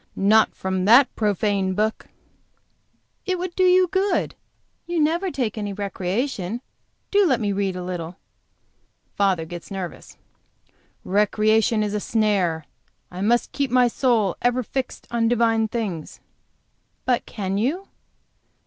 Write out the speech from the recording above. "Not from that profane book." "It would do you good. You never take any recreation. Do let me read a little." Father gets nervous. "Recreation is a snare. I must keep my soul ever fixed on divine things." "But can you?"